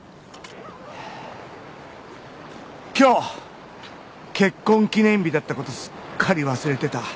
今日結婚記念日だった事すっかり忘れてた。